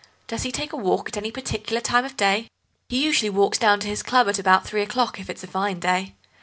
Does he take a walk at any particular time of day?" "He usually walks down to his club about three o'clock, if it's a fine day.